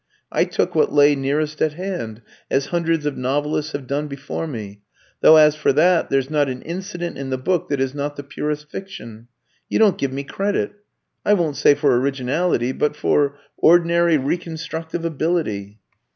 I took what lay nearest at hand, as hundreds of novelists have done before me; though as for that, there's not an incident in the book that is not the purest fiction. You don't give me credit I won't say for originality, but for ordinary reconstructive ability."